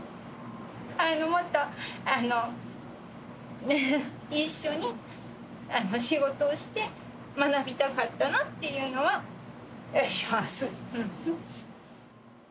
もっと一緒に仕事をして、学びたかったなっていうのはあります。